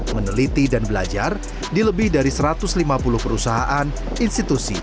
meneliti dan belajar di lebih dari satu ratus lima puluh perusahaan institusi